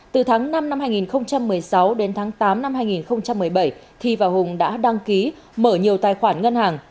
từ tháng năm năm hai nghìn một mươi sáu đến tháng tám năm hai nghìn một mươi bảy thi và hùng đã đăng ký mở nhiều tài khoản ngân hàng